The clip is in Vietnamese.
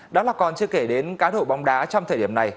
đó là còn chưa kể đến cá độ bóng đá trong thời điểm này